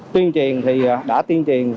tuyên truyền thì đã tuyên truyền